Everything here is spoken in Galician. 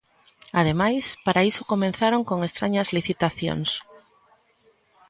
Ademais, para iso comezaron con estrañas licitacións.